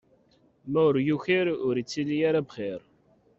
Ma ur yukir, ur yettili ara bxir.